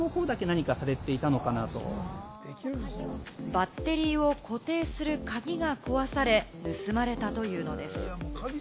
バッテリーを固定する鍵が壊され、盗まれたというのです。